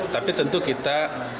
tapi tentu kita